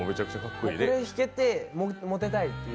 これを弾けてモテたいという。